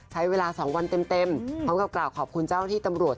ใช้เวลา๒วันเต็มพร้อมกับกล่าวขอบคุณเจ้าที่ตำรวจ